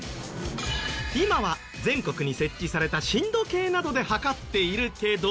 今は全国に設置された震度計などで測っているけど。